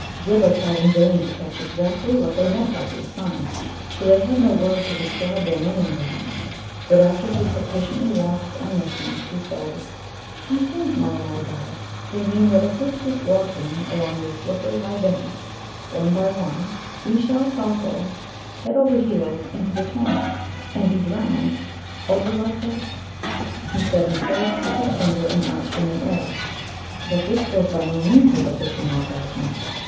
Ghibba tried in vain to catch exactly what they meant by these signs, for they had no word to describe their meaning to him. But after he had patiently watched and listened, he said: "I think, Mulla mulgars, they mean that if we keep walking along these slippery high banks, one by one, we shall topple head over heels into the torrent, and be drowned over like that," he said, and traced with his finger an arch in the air. But this was by no means what the Fishing mulgars meant.